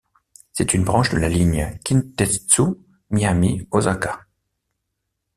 C'est une branche de la ligne Kintetsu Minami Osaka.